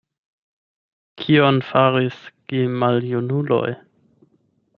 Kion faris gemaljunuloj?